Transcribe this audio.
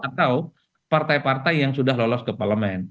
atau partai partai yang sudah lolos ke parlemen